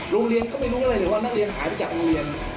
โรงเรียนเขาไม่รู้อะไรเลยว่านักเรียนหายไปจากโรงเรียน